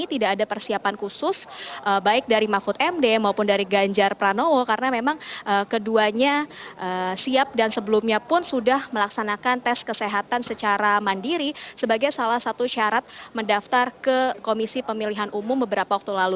tidak ada persiapan khusus baik dari mahfud md maupun dari ganjar pranowo karena memang keduanya siap dan sebelumnya pun sudah melaksanakan tes kesehatan secara mandiri sebagai salah satu syarat mendaftar ke komisi pemilihan umum beberapa waktu lalu